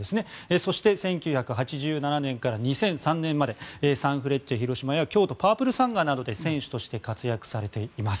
そして１９８７年から２００３年までサンフレッチェ広島や京都パープルサンガなどで選手として活躍されています。